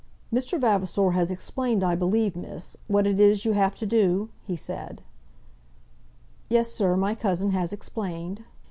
"Mr. Vavasor has explained, I believe, miss, what it is you have to do?" he said. "Yes, sir; my cousin has explained."